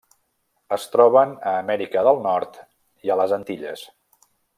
Es troben a Amèrica del Nord i a les Antilles.